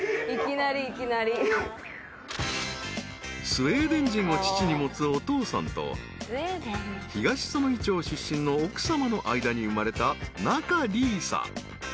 ［スウェーデン人を父に持つお父さんと東彼杵町出身の奥さまの間に生まれた仲里依紗］